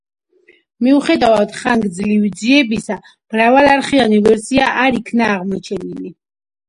მიუხედავად ხანგრძლივი ძიებისა, მრავალარხიანი ვერსია არ იქნა აღმოჩენილი.